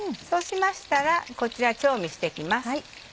そうしましたらこちら調味して行きます。